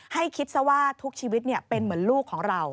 ให้คิดซะว่าทุกชีวิตเป็นเหมือนลูกของเรา